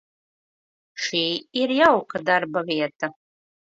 Šī ir jauka darbavieta.